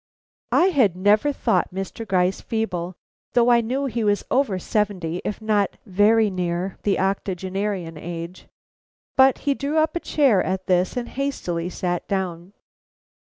I had never thought Mr. Gryce feeble, though I knew he was over seventy if not very near the octogenarian age. But he drew up a chair at this and hastily sat down.